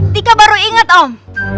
tika baru inget om